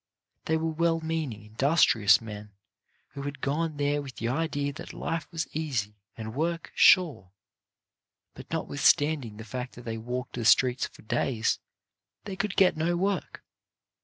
They were well meaning, industrious men, who had gone there with the idea that life was easy and work sure; EUROPEAN IMPRESSIONS 79 but notwithstanding the fact that they walked the streets for days, they could get no work.